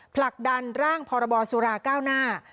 ผลักดันร่างพรบสุราเก้าหน้า